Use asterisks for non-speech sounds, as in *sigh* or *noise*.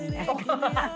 ハハハ *laughs*